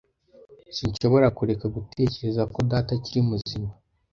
Sinshobora kureka gutekereza ko data akiri muzima.